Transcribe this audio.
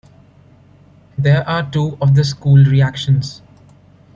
There are two of this school reactions.